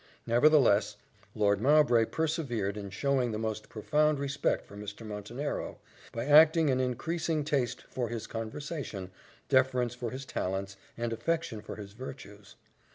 Nevertheless, Lord Mowbray persevered in showing the most profound respect for Mr. Montenero, by acting an increasing taste for his conversation, deference for his talents, and affection for his virtues.